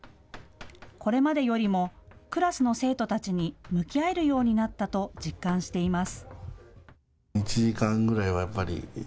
これまでよりもクラスの生徒たちに向き合えるようになったと実感しています。